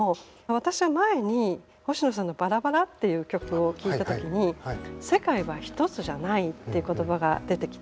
私は前に星野さんの「ばらばら」っていう曲を聴いた時に世界はひとつじゃないって言葉が出てきて。